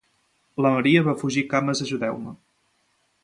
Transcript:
La Maria va fugir cames ajudeu-me.